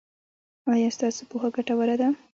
ایا ستاسو پوهه ګټوره ده؟